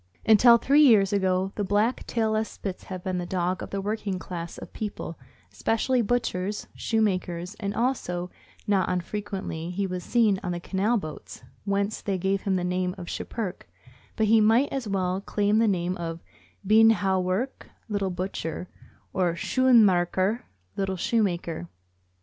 Until three years ago, the black tailless Spits had been the dog of the working class of people, especially butchers, shoemakers, and also not unfrequently he was seen on the canal boats, whence they gave him the name of Schipperke, but he might as well claim the name of " Beenhouwerke " (little butcher) or " Schoenmakerke " (little shoemaker).